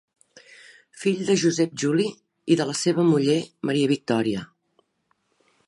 Fill de Josep Juli i de la seva muller Maria Victòria.